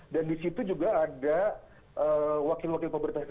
dan di situ juga ada wakil wakil pemerintah lain